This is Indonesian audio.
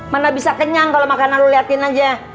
mana bisa kenyang kalau makanan lu liatin aja